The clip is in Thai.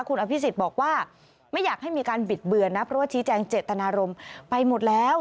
คุณอภิษฎบอกว่าไม่อยากให้มีการบิดเบือนนะเพราะว่าชี้แจงเจตนารมณ์ไปหมดแล้ว